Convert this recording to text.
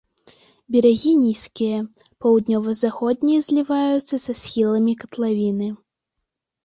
Берагі нізкія, паўднёва-заходнія зліваюцца са схіламі катлавіны.